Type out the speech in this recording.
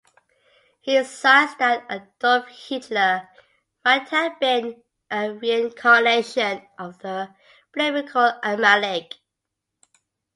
He cites that Adolf Hitler might have been a reincarnation of the biblical Amalek.